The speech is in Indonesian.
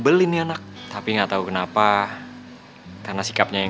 eh lu dateng dari mana mon